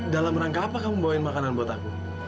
dalam rangka apa kamu bawain makanan buat aku